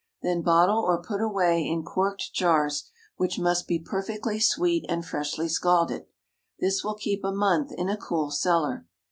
Then bottle or put away in corked jars, which must be perfectly sweet and freshly scalded. This will keep a month in a cool cellar.